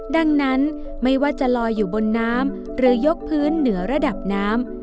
ดังนั้นไม่ว่าจะลอยอยู่บนน้ำหรือยกพื้นเหนือระดับน้ำ